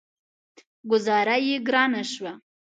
ګوذاره يې ګرانه شوه.